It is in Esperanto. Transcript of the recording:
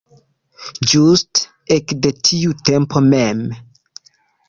Ĝuste ekde tiu tempo mem.